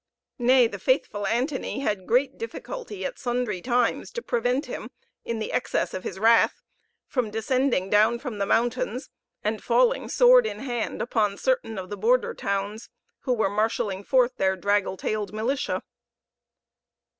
Nay, the faithful Antony had great difficulty, at sundry times, to prevent him, in the excess of his wrath, from descending down from the mountains, and falling, sword in hand, upon certain of the border towns, who were marshaling forth their draggle tailed militia.